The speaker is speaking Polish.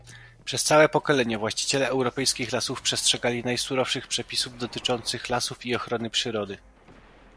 Przez całe pokolenia właściciele europejskich lasów przestrzegali najsurowszych przepisów dotyczących lasów i ochrony przyrody